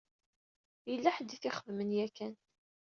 Yella ḥedd i t-ixedmen yakan.